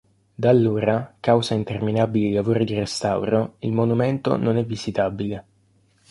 Da allora, causa interminabili lavori di restauro, il monumento non è visitabile.